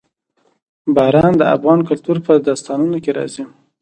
باران د افغان کلتور په داستانونو کې راځي.